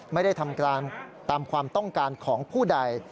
ไม่ได้ทำการตามความต้องการของผู้ใด